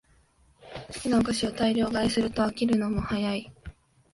好きなお菓子を大量買いすると飽きるのも早い